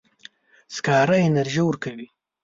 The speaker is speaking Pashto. سکاره انرژي ورکوي.